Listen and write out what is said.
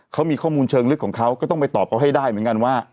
เขามีข้อมูลเชิงลึกของเขาก็ต้องไปตอบเขาให้ได้เหมือนกันว่า